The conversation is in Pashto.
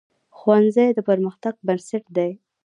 ښوونځی د پرمختګ بنسټ دی